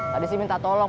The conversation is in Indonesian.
tadi sih minta tolong